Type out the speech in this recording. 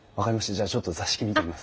じゃあちょっと座敷見てみます。